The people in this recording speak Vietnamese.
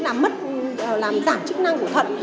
làm giảm chức năng của thận